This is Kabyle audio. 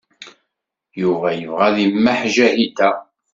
Yuba yebɣa ad imaḥ Ǧahida.